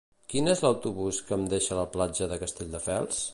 Quin és l'autobús que em deixa a la platja de Castelldefels?